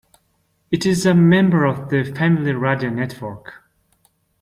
It is a member of the Family Radio network.